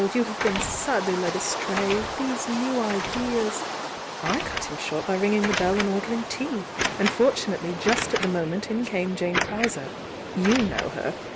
— you have been sadly led astray! These new ideas ' I cut him short by ringing the bell and ordering tea, and fortunately just at the mo ment in came Jane Prowser — you know her!